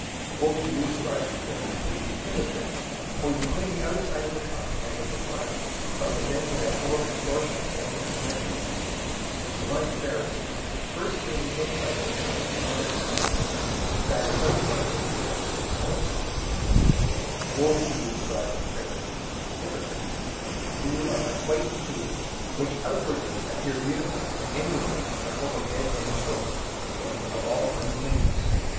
023:025 "Woe to you, scribes and Pharisees, hypocrites! For you clean the outside of the cup and of the platter, but within they are full of extortion and unrighteousness.{TR reads "self indulgence" instead of "unrighteousness"} 023:026 You blind Pharisee, first clean the inside of the cup and of the platter, that the outside of it may become clean also. 023:027 "Woe to you, scribes and Pharisees, hypocrites! For you are like whitened tombs, which outwardly appear beautiful, but inwardly are full of dead men's bones, and of all uncleanness.